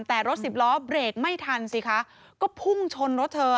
แต่รถสิบล้อเบรกไม่ทันสิคะก็พุ่งชนรถเธอ